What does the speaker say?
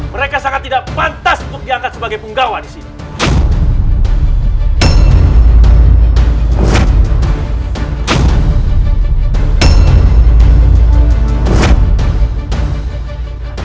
mereka sangat tidak pantas untuk diangkat sebagai penggawa disini